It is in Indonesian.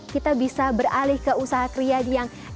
kita bisa beralih ke usaha kria yang dibidangkan